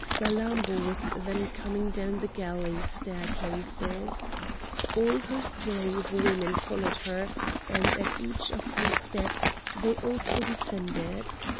Salammbô was then coming down the galley staircases. All her slave women followed her; and, at each of her steps, they also descended.